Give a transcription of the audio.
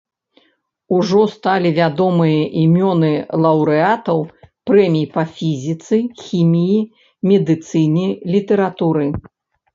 Ужо сталі вядомыя імёны лаўрэатаў прэмій па фізіцы, хіміі, медыцыне, літаратуры.